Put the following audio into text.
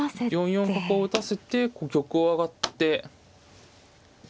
４四角を打たせて玉を上がって。